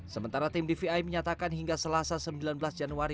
sementara tim dvi menyatakan hingga selasa sembilan belas januari dua ribu dua puluh